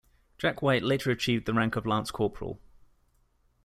Jack White later achieved the rank of Lance-Corporal.